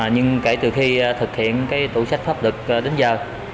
nhưng kể từ khi thực hiện tủ sách pháp luật đến giờ